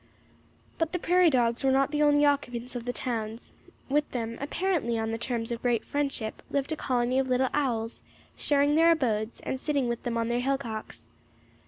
But the prairie dogs were not the only occupants of the towns; with them, apparently on terms of great friendship, lived a colony of little owls, sharing their abodes, and sitting with them on their hillocks.